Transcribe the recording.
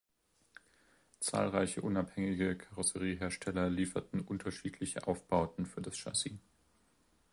Zahlreiche unabhängige Karosseriehersteller lieferten unterschiedliche Aufbauten für das Chassis.